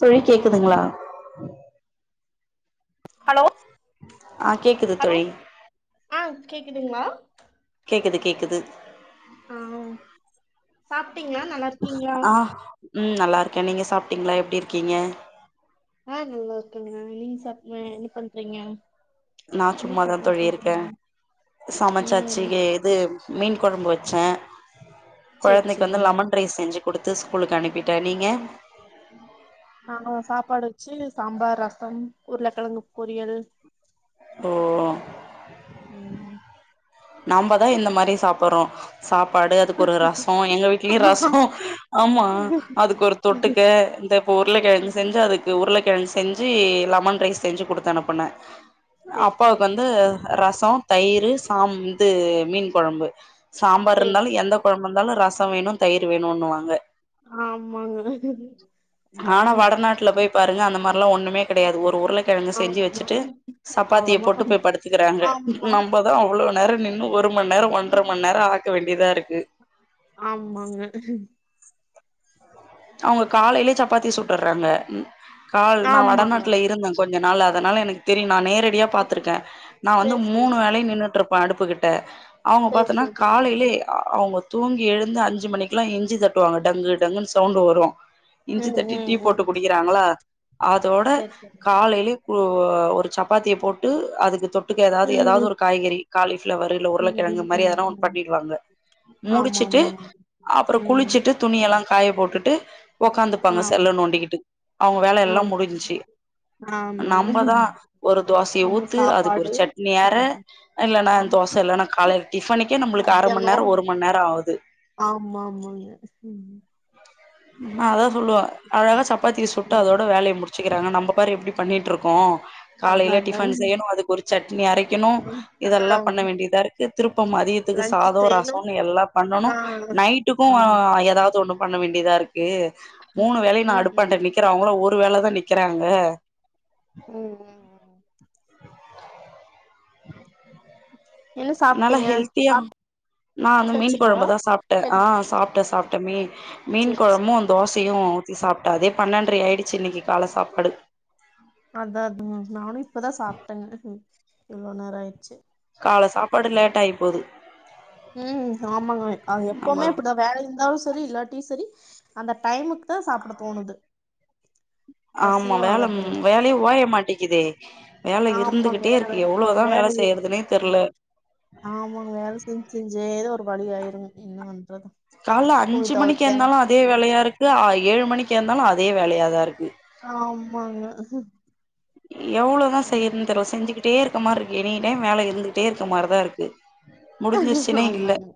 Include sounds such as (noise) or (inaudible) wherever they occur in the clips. தோழி கேக்குதுங்ளா ஹலோ ஆ கேக்குது ஹலோ தோழி ஆ கேக்குதுங்க மேம் கேக்குது கேக்குது ஆவுன் சாப்ட்டீங்களாங் ஆ ம் நல்லா இருக்கேன் நீங்க சாப்ட்டீங்ளா எப்டி இருக்கீங்க? ஆ நல்லா இருக்கங்க நீங்க சாப் என்ன பண்றீங்க? நா என்ன சும்மாதா சாப்பாடு தோழி செஞ்சீங்க இருக்கேன் சமச்சாச்சு ம் கே இது மீன் கொழம்பு வெச்ச சேரி கொழந்தைக்கு வந்து சேரிங்க லெமன் ரைஸ் செஞ்சு குடுத்து ஸ்கூலுக்கு அனுப்பிட்ட நீங்க நாங்க சாப்பாடு வெச்சு சாம்பார், ரசம், உருளக்கிழங்கு பொரியல் ஓ ம் நாமதா இந்த மாரி சாப்புடுறோ சாப்பாடு அதுக்கு ஒரு ரசோ எங்க வீட்லயு ரசோ ஆமா அதுக்கொரு தொட்டுக்க இந்தா நீ இப்ப உருளகிழங்கு செஞ்சு அது உருளக்கிழங்கு செஞ்சு லெமன் ரைஸ் செஞ்சு குடுத்து அனுப்புன சேரி அப்பாவுக்கு சேரி வந்து ரசோ, தயிரு சாம் இது மீன் கொழம்பு சாம்பார் சேரி இருந்தாலு சேரி எந்த கொழம் இந்தாலு ரசோ வேணு தயிர் வேணுன்னுவாங்க ஆமாங்க அதா ஆனா வடநாட்டுல போய் பாருங்க அந்த மாரில்லா ஒண்ணூமே கெடயாது ஒரு உருளகிழங்க செஞ்சு ஆமா வெச்சிட்டு சப்பாத்திய போட்டு அவ்ளோதா போய் படுத்துக்கறாங்க ஆமா நம்மதா அவ்ளோ நேரோ நின்னு ஒரு மண் நேரோ ஒன்றர மண் நேரோ ஆக்க வேண்டிதா இருக்கு ஆமாங்க அவுங்க காலைலயே சப்பாத்தி சுட்டுர்றாங்க கால் நா ஆமாங்க வடநாட்ல இருந்தங் கொஞ்ச நாள் அதனால எனக்கு தெரியு நா நேர டியா பாத்திருக்க நா வந்து சேரி சேரி மூணு சேரி வேலயு நின்னுட்டு இருப்ப அடுப்புகிட்ட அவுங்க சேரி பாத்தன்னா சேரி சேரி காலைலயே சேரி அவுங்க தூங்கி எழுந்து அஞ்சு மணிக்கெல்லா எஞ்சி தட்டுவாங்க டங்கு டங்குனு சவுண்டு வரு இஞ்சி ம் தட்டி டீ ம் போட்டு ம் குடிக்கறாங்ளா அதோட சேரி சேரி காலைலயே ஒ ஒரு சப்பாத்திய போட்டு அதுக்கு தொட்டுக்க எதாவது எதாவது ம் ஒரு காய்கறி காலிஃப்ளவர் இல்ல உருளக்கிழங்கு ம் ம் அந்த மாரி ம் எதாவது ஒண்ணு ம் பண்ணிருவாங்க ஆமா முடிச்சிட்டு ஆமாங்க அப்றோ ம் குளிச்சிட்டு துணி எல்லா காய போட்டுட்டு உக்காந்துப்பாங்க ஆம் செல்ல நோண்டிகிட்டு அவுங்க வேல எல்லா ஆமா முடிஞ்ச்சு ஆமாங்க நம்மதா ஒரு தோசய நம்ம ஊத்து அதுக்கு ஒரு சாப்பாடு சட்னி அற ம் இல்லணா ஆமா தோச இல்லனா காலைல டிஃபனுக்கே நம்மளுக்கு அர மண் நேரோ ஒரு மண் நேரோ ஆவுது ஆமாமாங்க ம் நா அதா சொல்லுவ அழகா சப்பாத்திய சுட்டு ம் அதோட வேலய மு டிச்சிக்கிறாங்க நம்ம பாரு எப்டி பண்ணிட்டு இருக்கோ அதா காலைல அதாங்க டிஃபன் செய்யணு அதுக்கொரு சட்னி அரைக்கணு ஆ இதெல்லா பண்ண வேண்டியதாரு திருப்ப மதியத்துக்கு லன்ச் சாதோ செய்யணு ரசோனு எல்லா பண்ணனு ஆ நைட்டுக்கு ஆ ம் எதாவது ஒண்ணு பண்ண வேண்டியதா இருக்கு மூணு வேலையு நா ம் அடுப்பான்ட ம் நிக்கிற அவுங்கெல்லா ஒரு வேலதா நிக்கறாங்க ம் ம் என்ன நல்லா சாப்ட்டீங்க ஹெல்த்தியா நா அந்த மீன் சாப்ட்டாச்சுங்களா கொழம்பதா சாப்ட்ட சரி ஆ சாப்ட்ட சா த மீ மீன் சரி சரி கொழம்பு தோசையு ஊத்தி சாப்டே அதே பன்னெண்டரை ஆயிடுச்சி இன்னைக்கி கால சாப்பாடு அதா அதா நானு இப்பதா சாப்டே இவ்ளோ நேரோ ஆயிடுச்சி கால சாப்பாடு லேட்டாயி போது ம் ஆமாங்க வே அது நம்ம எப்பமே இப்டிதா வேல இருந்தாலு செரி இல்லாட் டி செரி அந்த டைமுக்கு தா சாப்ட தோணுது ஆமா பசியு வேல ஆகறதில்ல ம் வேலையே ஓய மாட்டேக்கிதே வேல ஆமாங்க இருந்துகிட்டே வேல இருக்கு எவ்ளோதா வேல செய்யறதுனே தெரில ஆமாங்க வேல செஞ்சு செஞ்சே ஏதோ ஒரு வழி ஆயிருங் என்ன பண்றது கால்ல துணி அஞ்சு மணிக்கு தொவைக்க எழுந்தாலு அதே வேலையா இருக்கு ஏழு மணிக்கு எழுந்தாலு அதே வேலையாதா இருக்கு ஆமாங்க எவ்ளோதா செய்யறதுன்னு தெர்ல செஞ்சுகிட்டே இருக்கற மாரி இருக்கு எனி டைம் வேல இருந்துகிட்டே இருக்கற மாரிதா இருக்கு முடிஞ்சிருச்சுன்னே இல்ல ஆமாங்க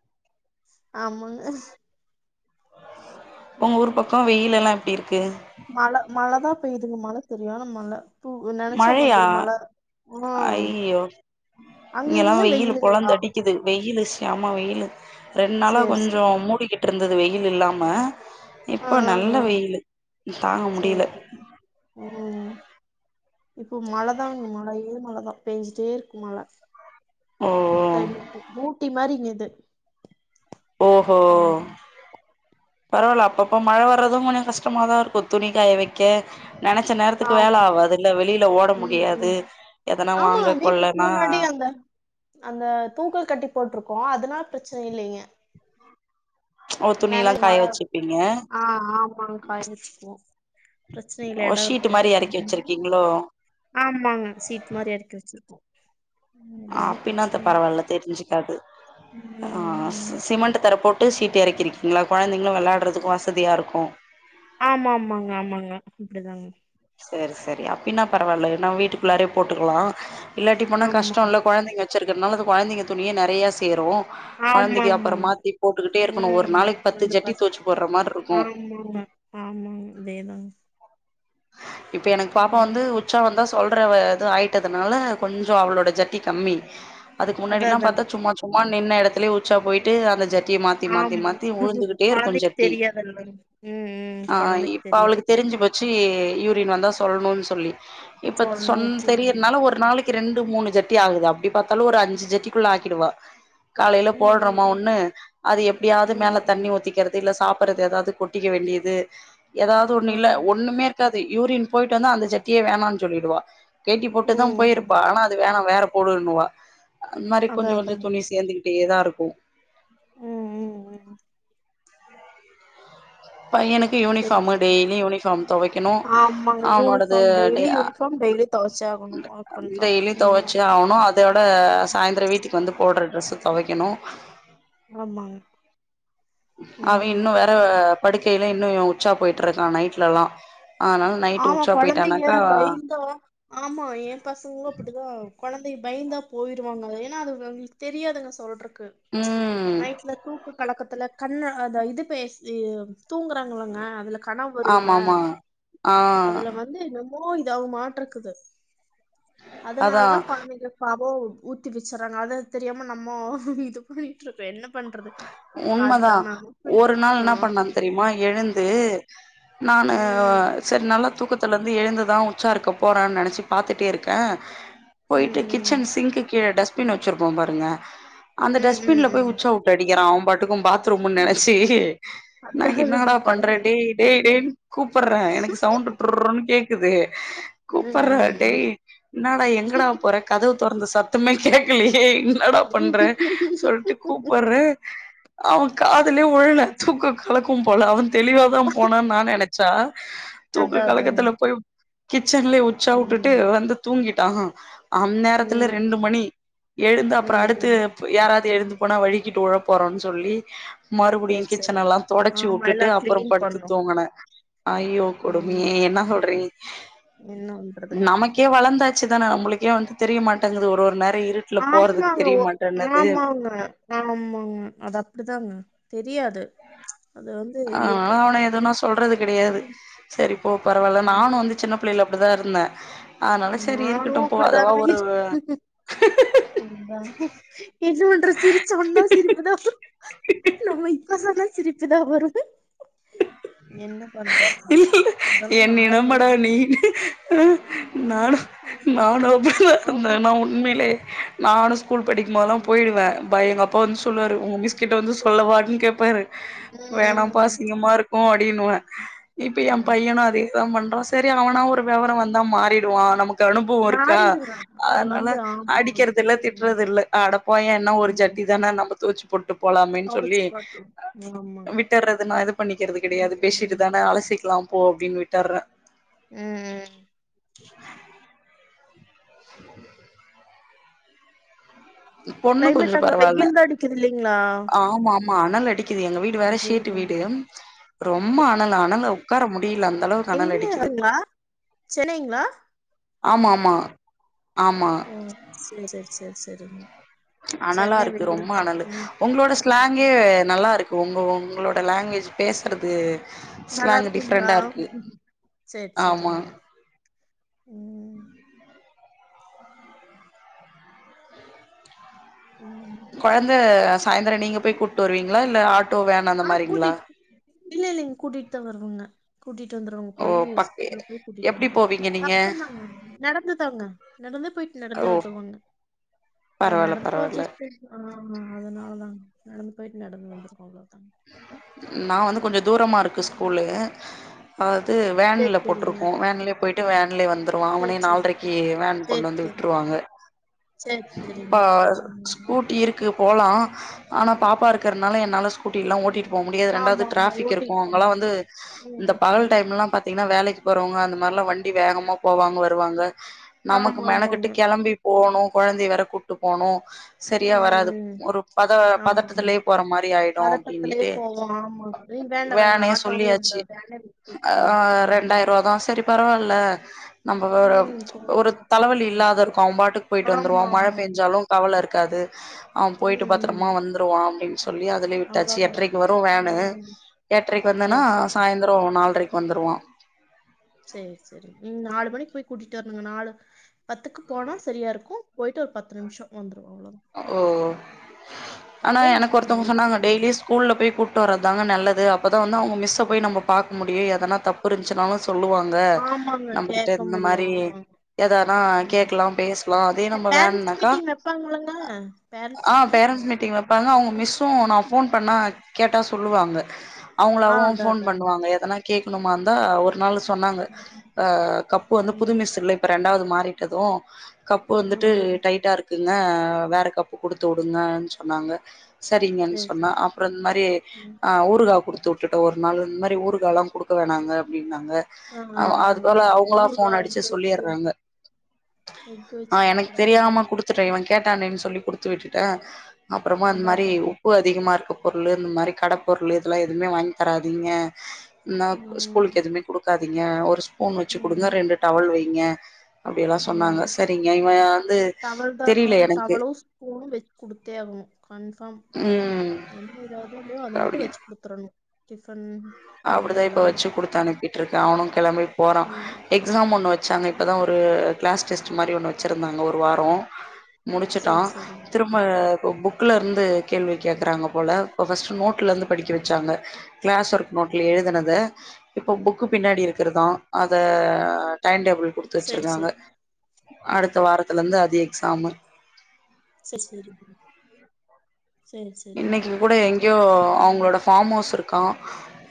ஆமாங்க உங்க ஊர் பக்கோ வெயிலெல்லா எப்டி இருக்கு மழை மழை தா பெய்யுதுங்க மழை செரியான மழை மழையா ஆ ஐயோ இங்கல்லா அங்கங்க வெயிலு பொளந்து வெயிலுங்களா அடிக்குது வெய்யிலு செம வெயிலு ரெண் நாளா சேரி கொஞ்சோ சேரிங்க மூடிக்கிட்டு இருந்தது வெயில் இல்லாம ஆ இப்ப ஆ நல்ல ஆ வெயிலு தாங்க சேரி முடில சேரி ம் இப்போ மழைதாங் மழையோ மழைதா பேஞ்சிட்டே இருக்கு மழ ஓ கிளைமேட்டு ஊட்டி மாரிங்கிது ஓஹோ பரவால்ல அப்பப்போ மழ வர்றது கொஞ்சோ கஷ்டமாதா இருக்கு துணிக்காய வெக்க நெனச்ச நேரத்துக்கு வேல ஆமா ஆவாது இல்ல வெளியில ஓட ம் முடியாது ம் எதனா ஆமா வாங்க வீட்டுக்கு கொள்ளனா முன்னாடி அந்த அந்த தூக்கோ கட்டி போட்டிருக்கோ அதனா பிரச்சன இல்லைங்க ஓ துணில்லா நனைஞ் காய மழை வரப் வச்சுப்பீங்க ஆ ஆமாங் காய வெச்சுக்குவோ பிரச்சன இல்ல ஓ எடோ ஷீட்டு இருக்கு மாரி எறக்கி வச்சிருக்கீங்களோ ஆமாங்க சீட் மாரி எறக்கி வெச்சிருக்கோ அப்பினாத பரவால்ல தெரிஞ்சுக்காது ஆ ம் சிமெண்ட் தர போட் டு சீட்டு எறக்கிருக்கீங்களா கொழந்தைங்களு வெளாட்றதுக்கு வசதியா இருக்கு ஆமா ஆமாங்க ஆமாங்க அப்டிதாங்க சேரி சேரி அப்டின்னா பரவால்ல என்னா வீட்டுக்குள்ளாரே போட்டுக்கலா இல்லாட்டி போனா ஆமாங்க கஷ்டோல்ல கொழந்தைங்க வெச்சிருக்கறதுனால அது கொழந்தைங்க துயே நெறைய சேரு ஆமா கொழந்தைக்கு அப்றோ ஆமாங்க மாத்தி போட்டுக்கிட்டே இருக்கணு ஒரு ம் நாளைக் பத்து ரெண்டு ஜட்டி பஸ் தோச்சி போட்ற மாரி இருக்கு ஆமாங்க ஆமாங்க அதேதாங்க இப்ப எனக்கு பாப்பா ம் வந்து உச்சா வந்தா சொல்றவ இது ஆயிட்டதுனால கொஞ்சோ அவளோட ஜட்டி கம்மி அதுக்கு அதா முன்னாடிலா பாத்தா அதாங்க சும்மா சும்மா நின்ன எடத்துலயே உச்சா போயிட்டு அந்த ஜட் மாத்தி மாத்தி ஆமா மாத்தி உழுந்துகிட்டே இருக்கு கொழந்தைக்கு ஜட்டி தெரியாதுல்லங்க ம் ம் ஆ கொழந்தைக்கு இப்ப அவளுக்கு தெரியாது தெரிஞ்சி போ ச்சி யூரின் வந்தா சொல்னோனு சொல்லி இப்ப சொல்லணு சொன் தெரியுரனால ஒரு நாளைக் கி ரெண்டு மூணு ஜட்டி ஆகுது அப்டி பாத்தாலு ஒரு அஞ்சு ஜட்டிக்குள்ள ஆக்கிடுவா காலைல ம் போட்றோமா ம் ஒன்னு அது எப்டியாவது ம் மேல ம் தண்ணி ம் ஊத்திக்கற து இல்ல சாப்புட்றத ஏதாது கொட்டிக்க வேண்டியது ஏதாவது ஒன்னு ஆ இல்ல ஒன்னுமே ரெண்டாவது யூரின் போயிட்டு வந்தா அந்த ஜட்டியே வேணானு சொல்லிடுவா கேட்டி போட்டு தா ம் போயிருப்பா ம் ஆனா அது வேணா வேற போடுன்னுவா அந்த மாரி அதா கொஞ்சோ கொஞ்சோ அதாங்க துணி சேந்துக்கிட்டேதா இருக்கு ம் ம் ம் ம் பையனுக் சேரி யூனிஃபார்ம் சேரி டெய்லி யூனிஃபார்ம் துவைக்கணு ஆமாங்க அவனோடது யூனிஃபார்ம் டெய்லி யூனிஃபார்ம் டெய்லி தொவச்சாகணு அது கன்ஃபார்ம் டெய்லி ம் தொவச்சே ஆவுனு அதோட சாய்ந்தர வீட்டுக்கு வந்து போட்ற டிரெஸ்ஸு தொவைக்கணு ஆமா அவன் இன்னு வேற படுக்கையிலே இன்னு உச்சா போயிட்டு இருக்கான் நைட்லலா அதனால நைட்டு ஆமா உச்சா கொழந்தைங்க போயிட்டானாக்கா பைந்தோ ஆமா என் பசங்களு அப்படிதா கொழந்தை பயந்தா போயிருவாங்க ஏன்னா அது அவுங்களுக் தெரியாதுங்க சொல்ற க்கு ம் நைட்ல தூக்க கலக்கத்துல கண்ண அத இது பேசி தூங்குறாங்களங்க அதுல கனவு வருல ஆமா ஆமா ஆ அதுல வந்து என்னமோ இதாவ மாட்ருக்குது அதா அதனாலதா கொழந்தைங்க பாவோ ஊத்தி வச்சுறாங்க அத தெரியாம நம்மோ இது பண்ணிட்டு இருக்கோ என்ன பண்றது உண்மதா அதுதான் நானும் ஒரு சொல்றேன். நாள் ஆ என்ன பண்ணான் தெரிமா எழுந்து நானு உம் சரி நல்லா தூக்கத்துல இருந்து எழுந்துதா உச்சா இருக்க போறோன் நெனச்சி பார்த்துட்டே இருக்க உம் போயிட்டு உம் கிச்சன் சிங்க்கு கீழ டஸ்பின் வச்சிருப்போ பாருங்க அந்த உம் டஸ்பின்ல போய் உம் உச்சா உ ட்டு அடிக்கிறா அவன் பாட்டுக்கு பாத்ரூம்னு உம் நனச்சி நா என்னாடா அதான் பண்ற டேய் குழந்தைங்களுக்கு டே டேனு கூப்பர்ற எனக்கு தெரியாது சவுண்ட் டூர்ன்னு கேக் குது கூப்பர்ற ம் டேய் என்னாடா எங்கடா போற கதவு தொறந்த சத்தமே கேட்கிலியே என்னடா பண்ற சொல்டு கூப் அவன் காதுலே வுழுல தூக்க கலக்கோ போல அவன் தெளிவாதா போனான் நா நெனச்சா அதா தூக்க அதாங்க கலக்கத்துல போய் கிச்சன்லயே உச்சா உட்டுட்டு ம் வந்து தூங்கிட்டா அந் ம் நேரத்துல ம் ரெண்டு மணி எழுந்து அப்புற அடுத்து ம் யாராவது எழுந்து போனா வழி கிட்டு உல போறோன் சொல்லி சரி மறுபடியு கிச்சன் சரிங்க எல்லா தொடச்சு ஆமா வுட்டுட்டு எல்லா அப்புற கிளீன் படுத்து பண்ணு தூங்கன ஐயோ ஆமா கொடுமியே என்னா சொல்றீங் என்ன பண்றதுங்க நமக் கே வளந்தாச்சு தான நம்மளுக்கே வந்து தெரிய மாட்டேங்குது ஒரு ஒரு நேர இருட் ஆமாங்க ஒ ஆமாங்க ஆஃமாங்க அது அப்படிதாங்க தெரியாது அது வந்து ஆனால இயற்கை அவன எதுன்னா சொல்றது கெடையாது ம் செரி போ பரவால்ல ஆமா நானு வந்து சின்ன பிள்ளைல அப்படிதா இருந்த நானு அப்படிதாங்க இரு ந்த என்ன பண்றது சிரிச்ச ஒன்ன சிரிப்புதா நம்ம நா சொல்லே சிரிப்பு தா வருது என்ன பண்றது இல்ல இதலா என்னிடமாடா (unintelligible) நீ நானு நானு ம். அப்படிதா ஆமா. நா உண்மைலே நானு ஸ்கூல் படிக்கும்போதுலா ம். போயிடுவ பை எங்க அப்பா வந்து சொல்லுவாரு அதான் உங் அதான். மிஸ்கிட்ட வந்து சொல்லவான்னு கேட்பாரு ம். வேணாம்பா ம். அசிங்கமா இருக்கு அப்டின்னுவ இப்ப என் ம். பையனு அதேதா பண்றா செரி அவனா ஒரு விவரம் வந்தா மாறிடுவான் நமக்கு அனுபவம் இருக்கா மாறிடுங்க. அது அதனால வந்து ஆமா. அடிக்கிறது இல்ல ம். திட்றது இல்ல அட போ என்னா ஒரு ம். ஜட்டி தான நம்ம துவச்சு போட்டுப் போலாமேன் சொல்லி கோவிச்சு காட்டும். ஆமா. விட்டர்றது நா எது பண்ணிக்கிறது ம். கடையாது ம். பெசிட்டுதான அலசி கலா போ அப்டின் விட்டர்ற ம் பொண்ணு கொஞ்ச கிளைமேட் அங்க பரவால்ல வெயில் தான் அடிக்குது இல்லைங்களா? ஆமாம்மா ஆனல் அடிக்குது எங்க வீடு வேற வெயில் ஷீட்டு தான். வீடு ரொம்ப அனலு அனல்ல ஒக்கார முடியல அந்த அளவுக் எங்கங்ளா சென்னைங்ளா ஆமாம்மா ஆமா ஓ! ம் சேர் சேர் சேர் சேரிங் அனலா சென்னை இருக்கு வெயில் ரொம்ப தான். அனலு ஒங்ளோட ஸ்லாங்கே நல்லாருக்கு ஒங்க ஒங்களோட லாங்குவேஜு பேசறது நல்லாருக்குங்ளா சேர் ஆமா சேரிங்க ம் கொழந்த சாய்ந்தர நீங்க ம். போய் கூட்டு வருவீங்ளா இல்ல ஆட்டோ வேன் அந்த ஆ மாரிங்ளா கூட்டிட்டு இல்ல இல்லங்க கூட்டிட்டு தா வரனுங்க கூட்டிட்டு வந்துருவங்க ஓ போயி பக்க ஸ்கூல்ல போய் கூட்டிட்டு எப்டி வந்துருவங் போவீங்க நீங்க பக்கந்தாங்க நடந்து தாங்க நடந்தே போயிட்டு நடந்தே ஓ வத்துருவாங்க ஆ பரவால்ல நடந்து போய் பரவால்ல (unintelligible) ஆமா அதனால தா நடந்து போயிட்டு நடந்து வந்திருக்கோ அவ்ளோதாங்க நா வந்து கொஞ்ச தூரமா இருக்கு ம் ஸ்கூல்லு அது சேரி வேன்ல சேரிங்க போட்ருக்கோ வேன்லே போய்ட்டு வேன்லே வந்துருவா அவனே சேரி சேரி நால்ரைக்கு வேன் சேரி கொண்டு வந்து சேரி விட் ருவாங்க சேரி இப்ப சேரிங்க ம் ஸ்கூட்டி இருக் கு போலா ஆனா பாப்பா இருக்கிறனால என்னால ஸ்கூட்டிலா ஓட்டிட்டு போ முடியாது ரெண்டாவ்து ஆமா ஆமா ட்ராஃபிக் இருக்கு ஓட்டிட்டு போக அங்கலா வந்து முடியாது ம் இந்த ம் பகல் ம் டைம்லா பாத் தீங்னா வேலைக்கு போறவ்ங்க அந்த மார்லா வண்டி வேகமா போவாங்க வருவாங்க நமக்கு ஆமா மெனக்கெட்டு ஆமாங்க கெளம்பி போகணு கொழந்தைய வேற கூட்டு போணு ம் செரியா ம் வராது ம் ஒரு பத ஆமா ஆமா பதட்டத்துலே போற மாரி ஆயிடு பதட்டத்திலயே அப்டின்னுட்டு போவோம் ஆமா ஏய், வேண்டாம் வேனே வேண்டாம் ஆட்டோவே இந்த சொல்லியாச்சு வேனே விட்டு ஆ விட்டுருங்க ம் ரெண்டாயிருவாதா செரி பரவால்ல நம்ப ஒரு ம் போலாம் ஒரு போயிட்டு தலவலி வருவோம். இல்லாது இருக்கு அவ பாட்டுக்கு போய்ட்டு வந்துருவா ஆமா மழ ஆமா பேஞ்சாலு கவல இருக்காது அவ ம் போயிட்டு ம் பத்தரமா வந்துருவா அப்டின் சொல்லி அது துலே விட்டாச்சு அவ்வளோதான் எட்ரைக்கு வரு வேனு ம் எட்ரைக்கு வந்தனா சரி சரி சாய்ந்தரோ நால்ரைக்கு வந்துருவா சேரி சேரிங் ம் நாலு மணிக்கு போய் கூட்டிட்டு வரணுங்க நாலு பத்துக்கு போனா சரியா இருக்கு போயிட்டு ஒரு பத்து நிம்ஷ வந்துருவ அவ்ளோதா ஓ ஆனா எனக்கு நிமிஷம் நாங்கள் ஒருத்தவ்ங்க வீட்டுக்கு சொன்னாங்க போவோம். டெய்லி ஸ்கூல்ல போய் கூட்டு வரதுதாங்க நல்லது அப்ப தா வந்து அவ்ங்க மிஸ்ஸ போய் நம்ம பாக்க முடியு எதனா தப்பு இருந்ச்சுனாலு சொல்லுவாங்க ஆமாங்க நம்மகிட்ட கேட்க இந்த முடியும் மாரி ஆமாங்க எதானா ம் கேக்கலா பேசலா அதே நம்ம பேரண்ட்ஸ் வேணுனாக்கா மீட்டிங் வைப்பாங்களங்க பேரண்ட்ஸ் ஆ மீட்டிங் பேரண்ட்ஸ் மீட்டிங் வப்பாங்க அவ்ங்க வைப்பாங்க மிஸ்ஸு நா ஃபோன் பண்ணா கேட்டா சொல்லுவாங்க ஆ அவ்ங்களாவு அதான் ஃபோன் அதான் பண்ணுவாங்க எதனா கேக்கணுமாருந்தா ஒரு நாளு சொன்னாங்க ம் அ கப்பு வந்து புது ம் மிஸ் இல்லை இப்ப ரெண்டாவ்து மாறிட்டது கப்பு வந்துட்டு ம் டைட்டா இருக்குங்க வேற கப்பு குடுத்துவுடுங்கன் சொன்னாங்க சரிங்கன் சரி, சொன்ன சரி. அப்ற இந்த மாரி ம். ஆ ஊறுகா குடுத்து வுடு ட்ருக்க ஒரு நாளு இந்த மாரி ஊறுகாலா குடுக்க வேணாங்க அப்டின்னாங்க ஆ, ஆ, அ அது போல ஆமாமா. அவ்ங்களா ஊறுகா, ஃபோன் அடிச்சு இந்த எக்கு சொல்லிட்றாங்க எக்கு வச்சு தரக்கூடாது த்து டய அவ கேட்டானேனு சொல்லி குடுத்து விட்டுட்டே அப்றமா அந்த அதான், மாரி அதான். உப்பு அதிகமா இருக்கு பொருளு இந்த மாரி கட பொருளு இதெல்லா எதுமே வாங்கி தராதீங்க நாப் ஸ்கூலுக்கு ம். எதுமே குடுக் காதீங்க ஒரு ஸ்பூன் வச்சு குடுங்க ம். ரெண்டு டவல் வைங்க அப்டியெதா சொன்னாங்க ம். செரிங்க இவ வந்து தெரியல எனக்கு ஸ்பூன் வச்சு குடுத்தே ஆகனும் கன்ஃபார்ம் ம் என்ன ஏதாது இல்லையோ அது அப்டிங்க மட்டும் வச்சு குடுத் துரனு டிஃபன் இது அப்டிதா இப்ப எல்லாமே. வச்சு குடுத்து அனுப்பிட்டு இருக்கே அவனும் கிளம்பி போறா ம். எக்ஸாம் ஒன்னு வச்சாங்க இப்போ தா ஒரு கிளாஸ் டெஸ்ட் மாரி ஒன்னு வச்சுருந்தாங்க ஒரு வாரம் முடிச்சிட்டா சரி, சரிங்க. திரும் ப புக்குல இருந்து கேள்வி கேக்குறாங்க போல இப்போ ஃபர்ஸ்ட்டு நோட்டுல இருந்து படிக்க வச்சாங்க கிளாஸ் வொர்க் நோட்ல எழுதினது இப்ப புக்கு பின்னாடி இருக்கிறதா அத டைம் டேபிள் குடுத்து சரி, வச்சிருக்காங்க சரி. அடுத்த வாரத்துல இருந்து அது எக்ஸாமு சர் சேரி இன்னைக்கு கூட எங்கேயோ ம். அவுங்களோட ஃபார்ம் ஹவுஸ் இருக்கா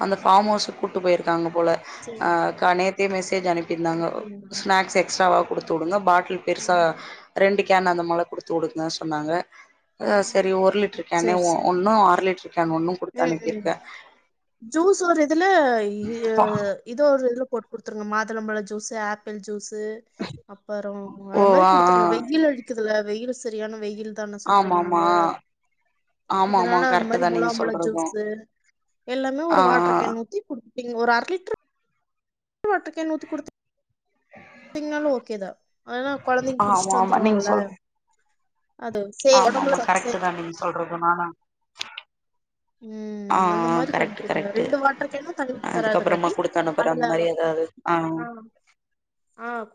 அந்த ஃபார்ம் ஹவுஸுக்கு கூட்டு போயிருக்காங்க போல சரி. அ நேத்தே மெசேஜ் அனுப்பிருந்தாங்க அப்படிங்களா? ஸ்நாக்ஸ் எக்ஸ்ட்ராவா குடுத்து வுடுங்க பாட்டில் பெருசா ம். ரெண்டு கேன் அந்த மாரி குடுத்து வுடுங்க சொன்னாங்க ம். சரி ஒரு லிட்டரு கேனே ஒன்னும் அர லிட்டர் கேன் ஒன்னும் உம் உம் ஜூஸ் ஒரு இதுல எதோ ஒரு இதில போட்டு குடுத்துருங்க மாதுளம்பழ ஜூஸு ஆப்பிள் ஜூஸு அப்புறோ ஓ அது மாரி ஆ குடுத்துருங்க வெயில் அழிக்குதுல வெயில் சரியான வெயில் அதான ஆ ஆமா சொல்றீங்க ஆமா அங்க ஆமா ஆமா அதனால அந்த கரெக்ட் மாரி தா முளா நீங்க மள சொல்றது ஜுஸு எல்லாமே ஆ ஒரு வாட்டர் கேன் ஊத்தி குடுப்பீங்க ஒரு அர லிட்டரு வாட்டர் கேன் ஊத்தி குடுத்திங்னாலும் ஓகேதா அதுலா கொழந்தைங்க ஆ ஆமா குடிச்சிட்டு ஆமா நீங்க வந்துருவாங்கல சொல் அது சே ஆமா உடம்புல ஆமா சத்து சே கரெக்டு தா நீங்க சொல்றது நானா உம் ஆ அந்த ஆ மாரி பண்ணி கரெக்ட் குடுங்க கரெக்ட் ரெண்டு வாட்ருக்கேன்னு தண்ணி தராத அதுக்கப்புறமா காட்டி குடுத்து அனுப்புற அந்த அதுல மாரி ஏதாவது ஆ ஆ